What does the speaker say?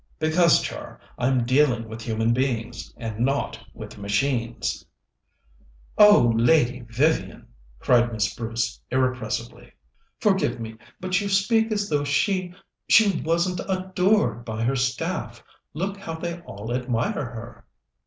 "Because, Char, I'm dealing with human beings, and not with machines." "Oh, Lady Vivian!" cried Miss Bruce irrepressibly. "Forgive me, but you speak as though she she wasn't adored by her staff. Look how they all admire her!"